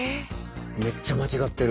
めっちゃ間違ってる。